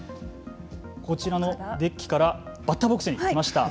こちらのデッキからバッターボックスに来ました。